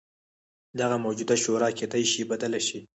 دغه موجوده شورا کېدای شي بدله شي.